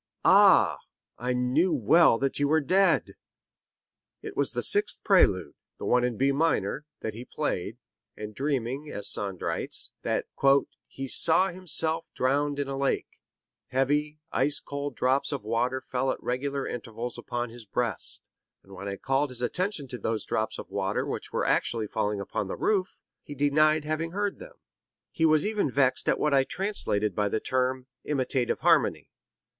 "Ah! I knew well that you were dead." It was the sixth prelude, the one in B minor, that he played, and dreaming, as Sand writes, that "he saw himself drowned in a lake; heavy, ice cold drops of water fell at regular intervals upon his breast; and when I called his attention to those drops of water which were actually falling upon the roof, he denied having heard them. He was even vexed at what I translated by the term, imitative harmony.